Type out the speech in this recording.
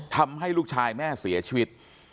ทำให้ลูกชายแม่เสียชีวิต